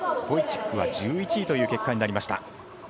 ボイチックは１１位という結果になりました。